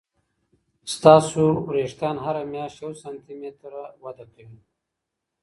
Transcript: ستاسې وریښتان هر میاشت یو سانتي متره وده کوي.